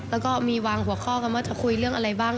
แล้วก็มีวางหัวข้อกันว่าจะคุยเรื่องอะไรบ้าง